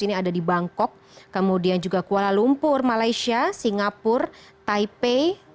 ini ada di bangkok kemudian juga kuala lumpur malaysia singapura taipei